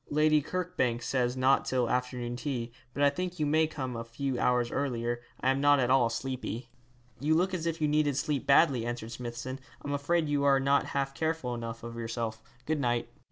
'Lady Kirkbank says not till afternoon tea, but I think you may come a few hours earlier. I am not at all sleepy.' 'You look as if you needed sleep badly,' answered Smithson. 'I'm afraid you are not half careful enough of yourself. Good night.'